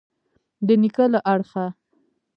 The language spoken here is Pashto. د نېکۍ له اړخه.